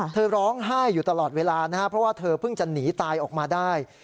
เธอร้องไห้อยู่ตลอดเวลานะครับเพราะว่าเธอเพิ่งจะหนีตายออกมาได้